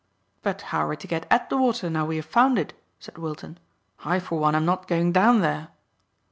"But how are we to get at the water now we have found it?" said Wilton. "I for one am not going down there."